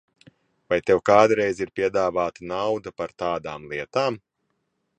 Vai tev kādreiz ir piedāvāta nauda par tādām lietām?